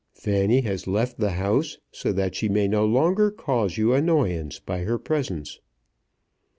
"Fanny has left the house, so that she may no longer cause you annoyance by her presence."